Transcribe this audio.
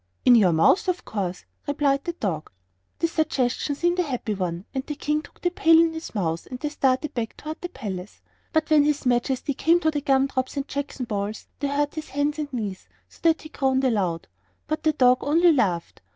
"In your mouth, of course," replied the dog. This suggestion seeming a happy one, the King took the pail in his mouth and they started back toward the palace. But when his Majesty came to the gum drops and jackson balls they hurt his hands and knees, so that he groaned aloud. But the dog only laughed.